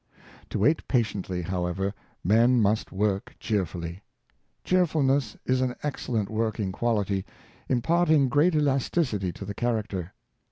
To wait patiently, however, men must worK cheer fully. Cheerfulness is an excellent working quality, im parting great elasticity to the character.